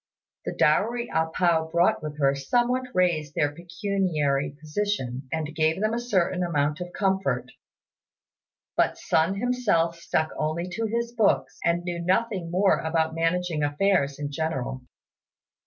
The dowry A pao brought with her somewhat raised their pecuniary position, and gave them a certain amount of comfort; but Sun himself stuck only to his books, and knew nothing about managing affairs in general.